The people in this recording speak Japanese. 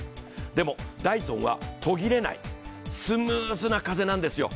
でも、ダイソンは途切れない、スムーズな風なんですよ。